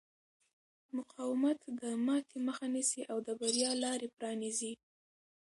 مقاومت د ماتې مخه نیسي او د بریا لارې پرانیزي.